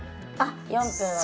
４分は。